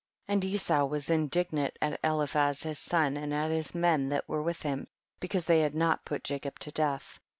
40. And Esau was indignant at Eliphaz his son, and at his men that were with him, becaiise they had not put Jacob to death.